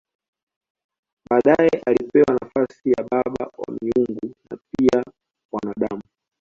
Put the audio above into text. Baadaye alipewa nafasi ya baba wa miungu na pia wa wanadamu.